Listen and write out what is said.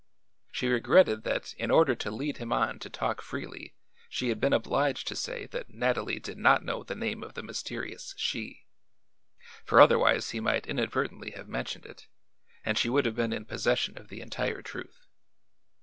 She regretted that in order to lead him on to talk freely she had been obliged to say that Nathalie did not know the name of the mysterious "she"; for otherwise he might inadvertently have mentioned it, and she would have been in possession of the entire truth.